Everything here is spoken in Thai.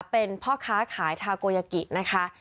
เป็นพ่อค้าขายทาโกยากินะคะ